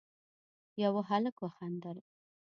يوه هلک وخندل: